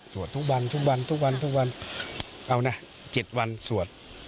สวดทุกวันช่วง๗วันสวด